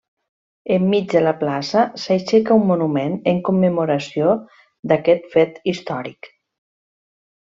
Enmig de la plaça s'aixeca un monument en commemoració d'aquest fet històric.